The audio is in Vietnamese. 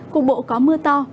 cục bộ có mưa to